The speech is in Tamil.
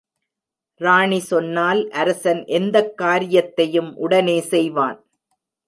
ராணி சொன்னால் அரசன் எந்தக்காரியத்தையும் உடனே செய்வான்.